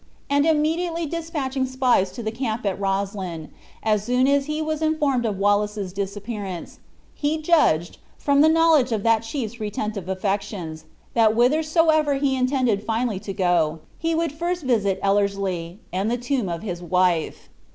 And immediately dispatching spies to the camp at Roslyn, as soon as he was informed of Wallace's disappearance, he judged, from the knowledge of that chief's retentive affections, that whithersoever he intended finally to go, he would first visit Ellerslie, and the tomb of his wife.